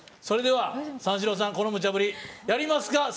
それでは、三志郎さんこのムチャぶりやりますか？